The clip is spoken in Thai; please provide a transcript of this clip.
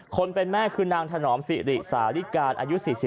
คนเป็นแม่คือนางถนอมสิริสาธิการอายุ๔๒